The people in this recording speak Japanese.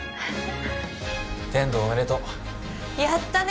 天堂おめでとうやったね